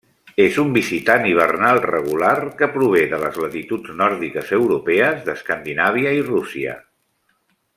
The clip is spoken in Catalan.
És un visitant hivernal regular que prové de les latituds nòrdiques europees d'Escandinàvia i Rússia.